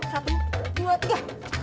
satu dua tiga